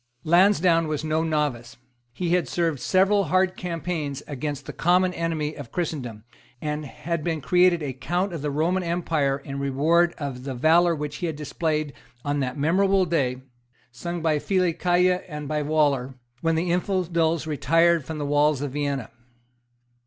Lansdowne was no novice. He had served several hard campaigns against the common enemy of Christendom, and had been created a Count of the Roman Empire in reward of the valour which he had displayed on that memorable day, sung by Filicaja and by Waller, when the infidels retired from the walls of Vienna.